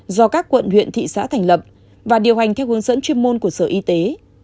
do các quận huyện thị xã thành lập và điều hành theo hướng dẫn chuyên môn của sở y tế